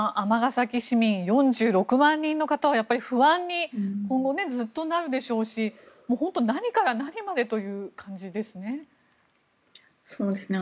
尼崎市民４６万人の方はやっぱり不安に今後ずっとなるでしょうし本当、何から何までという感じですね。